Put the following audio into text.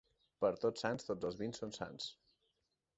Per Tots Sants tots els vins són sans.